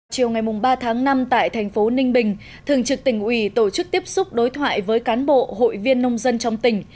chiều ngày ba tháng năm tại thành phố ninh bình thường trực tỉnh ủy tổ chức tiếp xúc đối thoại với cán bộ hội viên nông dân trong tỉnh